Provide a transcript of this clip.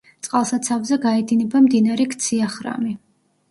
წყალსაცავზე გაედინება მდინარე ქცია-ხრამი.